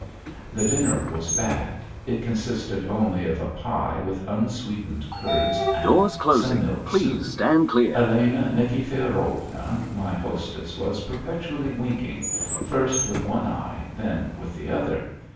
The dinner was bad. It consisted only of a pie with unsweetened curds and some milk soup. Elena Nikifirovna, my hostess, was perpetually winking, first with one eye, then with the other.